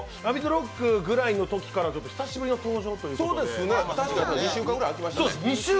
ＲＯＣＫぐらいのときから久しぶりの登場ということで２週間、空きました。